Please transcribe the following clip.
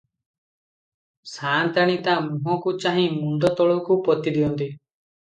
ସାଆନ୍ତାଣୀ ତା ମୁହଁକୁ ଚାହିଁ ମୁଣ୍ତ ତଳକୁ ପୋତିଦିଅନ୍ତି ।